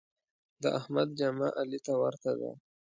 د احمد جامه علي ته ورته ده.